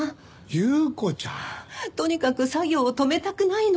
祐子ちゃん。とにかく作業を止めたくないのよ。